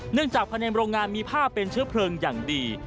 จากภายในโรงงานมีผ้าเป็นเชื้อเพลิงอย่างดี